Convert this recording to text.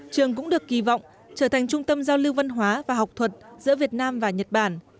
trường cũng được kỳ vọng trở thành trung tâm giao lưu văn hóa và học thuật giữa việt nam và nhật bản